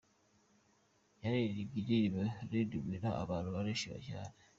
Yaririmbye indirimbo Red Wine abantu barishima cyane.